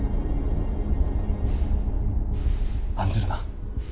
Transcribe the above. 案ずるな。